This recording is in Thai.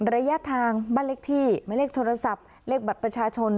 ระยะทางบ้านเลขที่หมายเลขโทรศัพท์เลขบัตรประชาชน